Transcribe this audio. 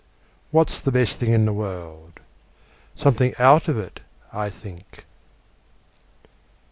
What's the best thing in the world? Something out of it, I think.